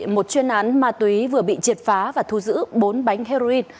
một chuyên án ma túy vừa bị triệt phá và thu giữ bốn bánh heroin